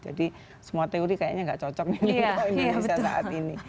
jadi semua teori kayaknya nggak cocok menurut indonesia saat ini